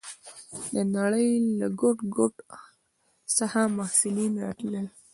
د نړۍ له ګوټ ګوټ څخه محصلین راتلل.